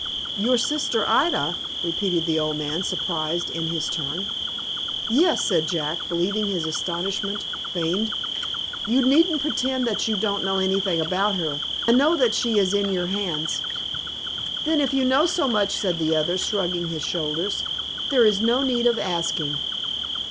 "Your sister Ida!" repeated the old man, surprised in his turn. "Yes," said Jack; believing, his astonishment feigned. "You needn't pretend that you don't know anything about her. I know that she is in your hands." "Then if you know so much," said the other, shrugging his shoulders, "there is no need of asking."